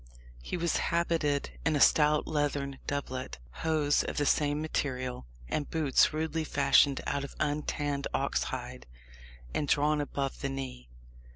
He was habited in a stout leathern doublet, hose of the same material, and boots rudely fashioned out of untanned ox hide, and drawn above the knee.